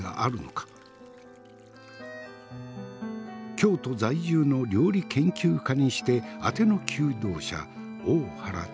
京都在住の料理研究家にしてあての求道者大原千鶴。